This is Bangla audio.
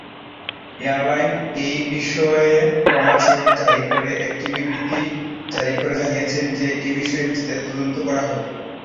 এয়ারলাইন এই বিষয়ে ক্ষমা চেয়ে জারি করে একটি বিবৃতি জারি করে জানিয়েছে যে এ বিষয়ে বিস্তারিত তদন্ত করা হবে।